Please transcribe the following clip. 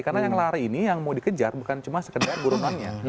karena yang lari ini yang mau dikejar bukan cuma sekedar burungannya